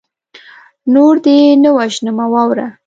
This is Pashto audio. نور دې نه وژنمه واوره